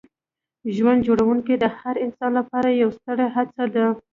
ژوند جوړونه د هر انسان لپاره یوه ستره هڅه ده.